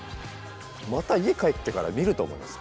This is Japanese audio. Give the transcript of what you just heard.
また家帰ってから見ると思います